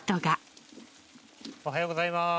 おはようございます。